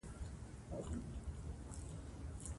فقره د موضوع حدود ټاکي.